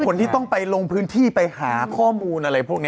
คนที่ต้องไปลงพื้นที่ไปหาข้อมูลอะไรพวกนี้